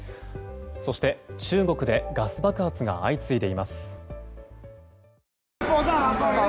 そして、中国でガス爆発が相次いでいます。